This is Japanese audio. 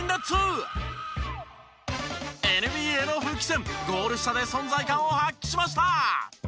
ＮＢＡの復帰戦ゴール下で存在感を発揮しました！